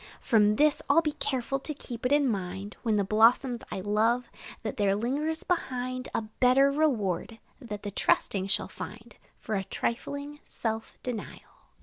From this, I 'll be careful to keep it in mind, When the blossoms I love, that there lingers behind A better reward, that the trusting shall find For a trifling self denial.